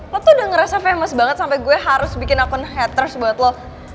lo tuh udah ngerasa famis banget sampai gue harus bikin akun haters buat lo